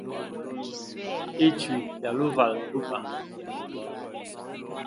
Ichwi yali uvala nduba.